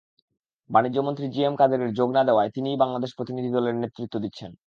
বাণিজ্যমন্ত্রী G M Quader যোগ না দেওয়ায় তিনিই বাংলাদেশ প্রতিনিধিদলের নেতৃত্ব দিচ্ছেন।